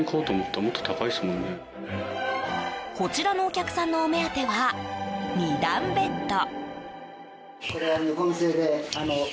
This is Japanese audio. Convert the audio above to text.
こちらのお客さんのお目当ては、２段ベッド。